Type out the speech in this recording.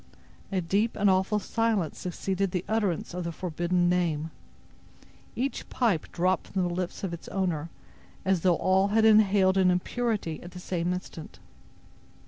A deep and awful silence succeeded the utterance of the forbidden name. Each pipe dropped from the lips of its owner as though all had inhaled an impurity at the same instant.